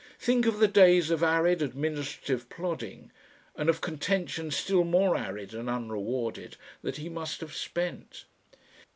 Think of the days of arid administrative plodding and of contention still more arid and unrewarded, that he must have spent!